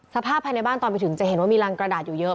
สภาพภายในบ้านตอนไปถึงจะเห็นว่ามีรังกระดาษอยู่เยอะ